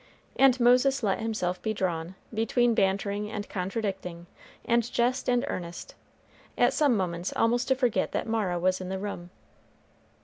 And Moses let himself be drawn, between bantering and contradicting, and jest and earnest, at some moments almost to forget that Mara was in the room.